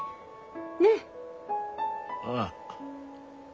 ねえ。ああ。